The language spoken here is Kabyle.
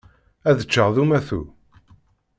Ad ččeɣ d umatu.